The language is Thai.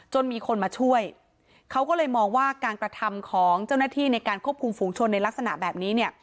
มีคนมาช่วยเขาก็เลยมองว่าการกระทำของเจ้าหน้าที่ในการควบคุมฝูงชนในลักษณะแบบนี้เนี่ย